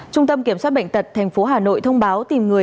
trung tâm kiểm soát bệnh tật tp hà nội thông báo tìm người